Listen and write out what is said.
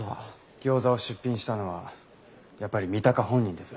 餃子を出品したのはやっぱり三鷹本人です。